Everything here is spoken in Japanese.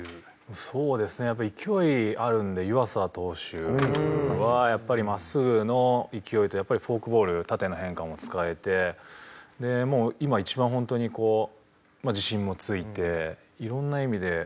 そうですねやっぱり勢いあるんで湯浅投手はやっぱり真っすぐの勢いとやっぱりフォークボール縦の変化も使えて今一番ホントにこう自信もついて色んな意味で。